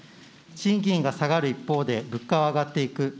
賃金が下がる一方で、物価は上がっていく。